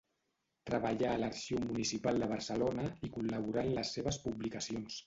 Treballà a l'Arxiu Municipal de Barcelona i col·laborà en les seves publicacions.